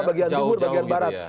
bagian timur bagian barat